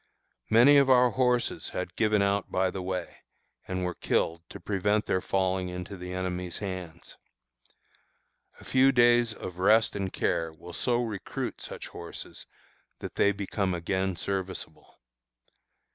Many of our horses had given out by the way, and were killed to prevent their falling into the enemy's hands. A few days of rest and care will so recruit such horses that they become again serviceable.